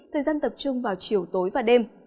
thời gian tập trung vào chiều tối và đêm